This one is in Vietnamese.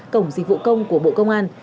cổng dịch vụ công của bộ công an